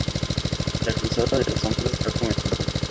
La Cruzada de las Sombras ha comenzado.